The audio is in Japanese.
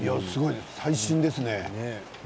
最新ですね。